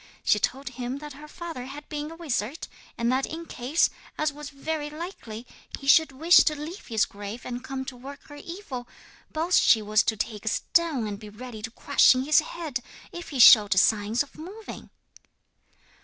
She told him that her father had been a wizard, and that in case, as was very likely, he should wish to leave his grave and come to work her evil, Baldschi was to take a stone and be ready to crush in his head, if he showed signs of moving.